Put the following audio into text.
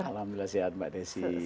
alhamdulillah sehat mbak desi